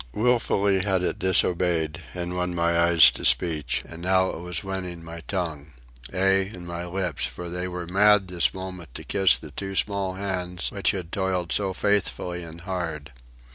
Wilfully had it disobeyed and won my eyes to speech, and now it was winning my tongue—ay, and my lips, for they were mad this moment to kiss the two small hands which had toiled so faithfully and hard.